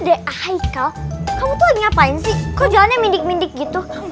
eiko kayak ngapain sih kau jalannya minding mending gitu